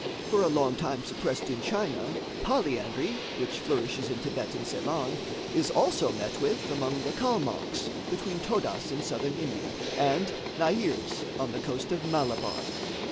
For a long time suppressed in China, polyandry, which flourishes in Thibet and Ceylon, is also met with among the Kalmonks, between Todas in Southern India, and Nairs on the coast of Malabar.